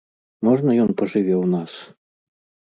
Можна ён пажыве ў нас?